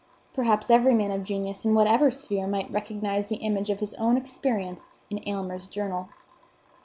Perhaps every man of genius in whatever sphere might recognize the image of his own experience in Aylmer's journal.